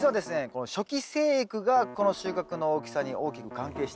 この初期生育がこの収穫の大きさに大きく関係しております。